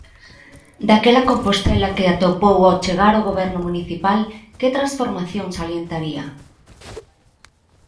Daquela Compostela que atopou ao chegar ao goberno municipal, que transformación salientaría?